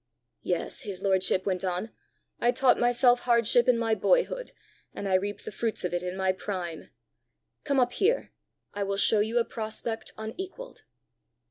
"Yes," his lordship went on, "I taught myself hardship in my boyhood, and I reap the fruits of it in my prime! Come up here: I will show you a prospect unequalled."